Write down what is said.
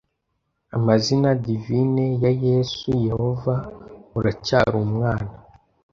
Amazina Divine Ya YesuYehova uracyari Umwana